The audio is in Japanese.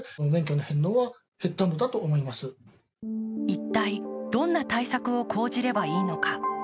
一体どんな対策を講じればいいのか。